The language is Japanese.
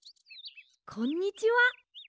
こんにちは。